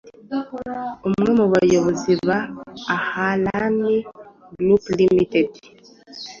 Umwe mu bayobozi ba Ahlan Group ltd